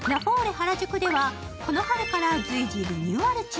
原宿では、この春から随時リニューアル中。